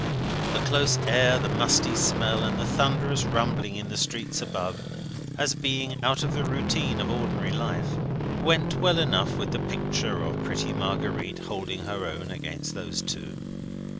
The close air, the musty smell, and the thunderous rumbling in the streets above, as being, out of the routine of ordinary life, went well enough with the picture of pretty Marguerite holding her own against those two.